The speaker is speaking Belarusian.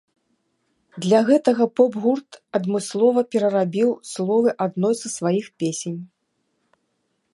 Для гэтага поп-гурт адмыслова перарабіў словы адной са сваіх песень.